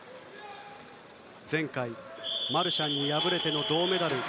前回マルシャンに敗れての銅メダル。